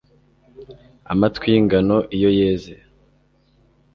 Amatwi yingano iyo yeze